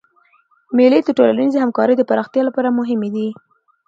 مېلې د ټولنیزي همکارۍ د پراختیا له پاره مهمي دي.